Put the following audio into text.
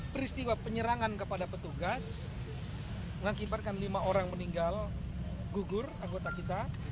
peristiwa penyerangan kepada petugas mengakibatkan lima orang meninggal gugur anggota kita